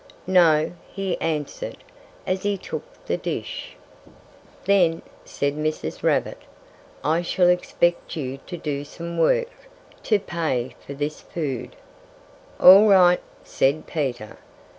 "No!" he answered, as he took the dish. "Then," said Mrs. Rabbit, "I shall expect you to do some work, to pay for this food." "All right!" said Peter.